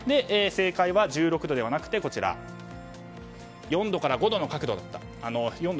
正解は１６度ではなくて４度から５度の角度だった。